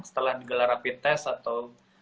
setelah digelar rapid test atau